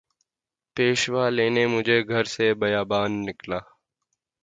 پیشوا لینے مجھے گھر سے بیاباں نکلا